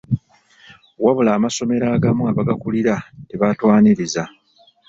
Wabula amasomero agamu abagakulira tebaatwaniriza.